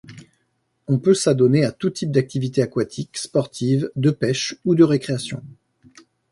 On peut s'adonner à tout type d'activités aquatiques, sportives, de pêche ou de récréation.